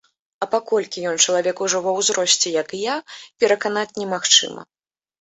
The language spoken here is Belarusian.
А паколькі ён чалавек ужо ва ўзросце, як і я, пераканаць немагчыма.